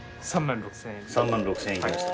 ３万６，０００円。